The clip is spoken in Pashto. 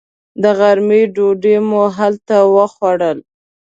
د غرمې ډوډۍ مو هلته وخوړل.